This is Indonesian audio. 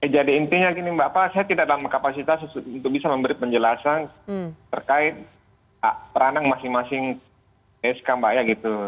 jadi intinya gini mbak pak saya tidak dalam kapasitas untuk bisa memberi penjelasan terkait peranan masing masing sk mbak ya gitu